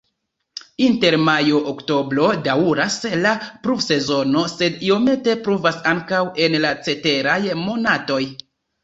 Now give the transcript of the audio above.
Inter majo-oktobro daŭras la pluvsezono, sed iomete pluvas ankaŭ en la ceteraj monatoj.